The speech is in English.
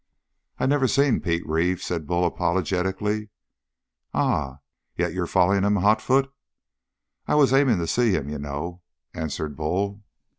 "I never seen Pete Reeve," said Bull apologetically. "Ah? Yet you're follerin' him hotfoot?" "I was aiming to see him, you know," answered Bull.